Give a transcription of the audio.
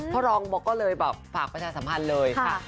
พ่อรองบอกก็เลยแบบฝากประชาสัมพันธ์เลยค่ะ